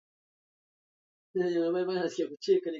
Kanisa hilo lilijengwa mahali pa soko la watumwa lililofungwa